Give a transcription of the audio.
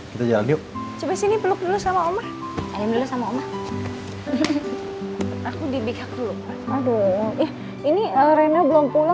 kita jalan yuk coba sini peluk dulu sama om ayam lu sama om aku dibikin aduh ini arena belum pulang